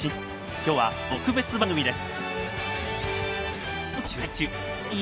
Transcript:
今日はその特別番組です